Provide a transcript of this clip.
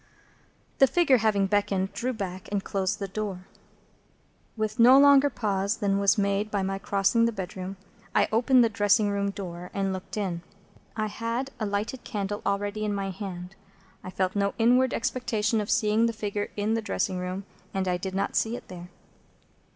The figure, having beckoned, drew back, and closed the door. With no longer pause than was made by my crossing the bedroom, I opened the dressing room door, and looked in. I had a lighted candle already in my hand. I felt no inward expectation of seeing the figure in the dressing room, and I did not see it there.